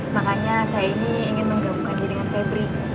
makanya saya ini ingin menggabungkan dia dengan febri